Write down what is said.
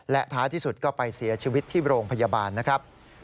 และท้ายที่สุดก็ไปเสียชีวิตที่โรงพยาบาลนะครับ